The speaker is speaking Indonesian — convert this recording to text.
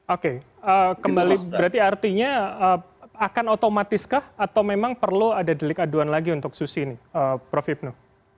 oke kembali berarti artinya akan otomatiskah atau memang perlu ada delik aduan lagi untuk susi ini prof ibnu